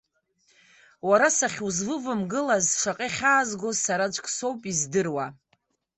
Уара сахьзувамгылаз шаҟа ихьаазгоз сараӡәк соуп издыруа.